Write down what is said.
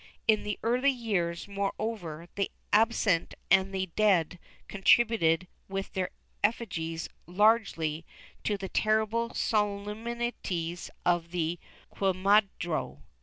In the early years, moreover, the absent and the dead contributed with their effigies largely to the terrible solemnities of the quemadero.